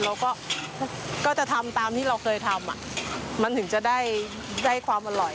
เราก็ก็จะทำตามที่เราเคยทำมันถึงจะได้ความอร่อย